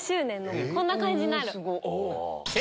こんな感じになる。